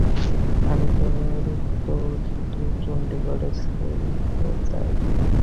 আর তোর তো শুধু চণ্ডিগরের ছেলে চাই।